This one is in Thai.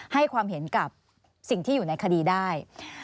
ให้ความเห็นกับสิ่งที่อยู่ในคดีได้